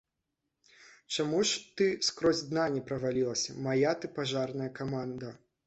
Чаму ж ты скрозь дна не правалілася, мая ты пажарная каманда!